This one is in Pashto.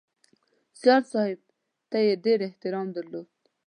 سیال صاحب ته یې ډېر احترام درلود